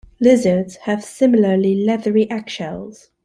Lizards have similarly leathery eggshells.